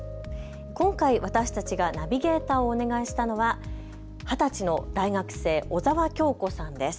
今回私たちがナビゲーターをお願いしたのは二十歳の大学生小澤杏子さんです。